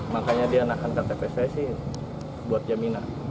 makanya dianakankan tps saya sih buat jaminan